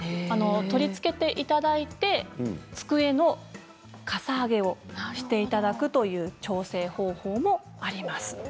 取り付けていただいて机のかさ上げをしていただくという調整方法もあります。